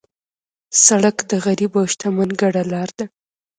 سړک د غریب او شتمن ګډه لار ده.